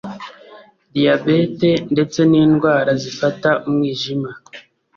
Diyabete ndetse n’indwara zifata umwijima